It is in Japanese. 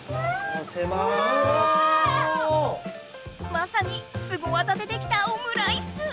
まさにスゴ技でできたオムライス！